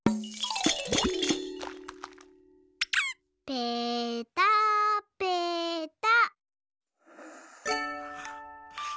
ぺたぺた。